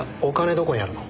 どこにあるの？